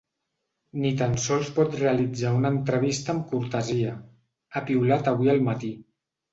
Ni tan sols pot realitzar una entrevista amb cortesia, ha piulat avui al matí.